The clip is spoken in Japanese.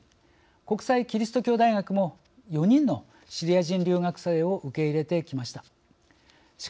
国際基督教大学も４人のシリア人留学生を受け入れてきました。